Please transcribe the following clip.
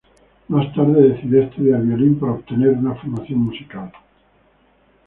Más tarde decidió estudiar violín para obtener una formación musical.